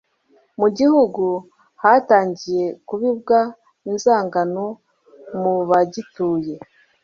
mu gihugu hatangiye kubibwa inzangano mu bagituye